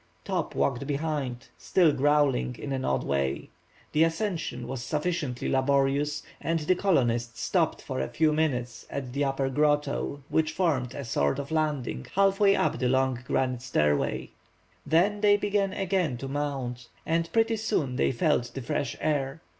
Top walked behind, still growling in an odd way. The ascension was sufficiently laborious, and the colonists stopped for a few minutes at the upper grotto, which formed a sort of landing half way up the long granite stairway. Then they began again to mount, and pretty soon they felt the fresh air.